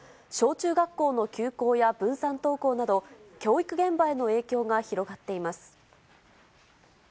小中学校の休校や分散登校など、教育現場への影響が広がっています。